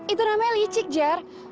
itu namanya licik jar